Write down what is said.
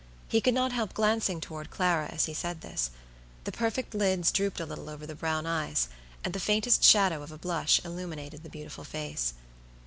He could not help glancing toward Clara as he said this. The perfect lids drooped a little over the brown eyes, and the faintest shadow of a blush illuminated the beautiful face.